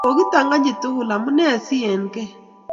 Kokitanganyi tugul amune sienkei